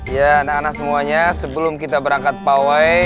ya anak anak semuanya sebelum kita berangkat pawai